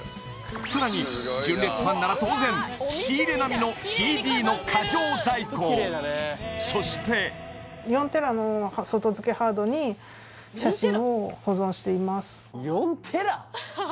さらに純烈ファンなら当然仕入れなみのＣＤの過剰在庫そして４ＴＢの外付けハードに写真を保存しています